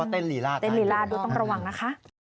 เพราะว่าเต้นหลีระต้องระวังนะคะ